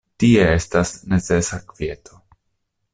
Tie estas necesa kvieto.